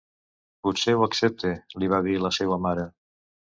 Potser ho accepte, li va dir la seua mare.